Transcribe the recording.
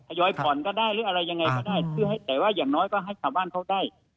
ยอยผ่อนก็ได้หรืออะไรยังไงก็ได้คือให้แต่ว่าอย่างน้อยก็ให้ชาวบ้านเขาได้